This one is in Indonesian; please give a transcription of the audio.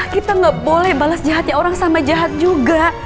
kita gak boleh balas jahatnya orang sama jahat juga